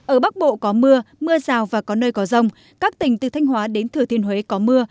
ở bắc bộ có mưa mưa rào và có nơi có rông các tỉnh từ thanh hóa đến thừa thiên huế có mưa